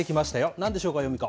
なんでしょうか、ヨミ子。